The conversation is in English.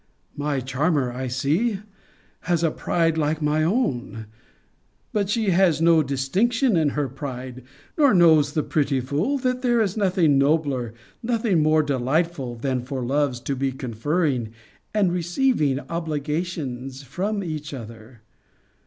My charmer, I see, has a pride like my own: but she has no distinction in her pride: nor knows the pretty fool that there is nothing nobler, nothing more delightful, than for loves to be conferring and receiving obligations from each other.